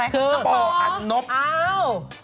ครับอ่ะปอร์อันนบอ้าวคือปอร์